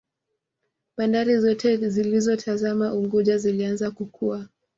Bandari Zote zilizotazama Unguja zilianza kukua